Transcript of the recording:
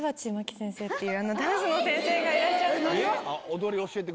ダンスの先生がいらっしゃって。